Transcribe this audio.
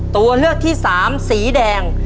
ตัวเลือกที่สามสีแดง